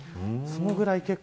そのぐらい